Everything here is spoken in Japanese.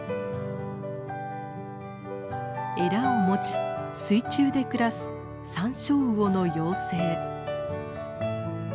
エラを持ち水中で暮らすサンショウウオの幼生。